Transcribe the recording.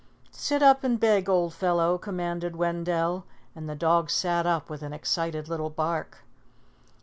"Sit up and beg, old fellow," commanded Wendell, and the dog sat up with an excited little bark.